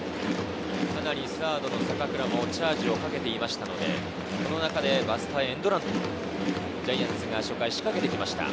サードの坂倉もチャージをかけていましたので、その中でバスターエンドラン、ジャイアンツが初回、仕掛けてきました。